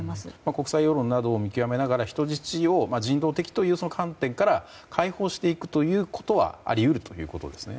国際世論などを見極めながら人質を人道的という観点から解放していくということはあり得るということですね。